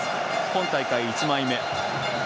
今大会１枚目。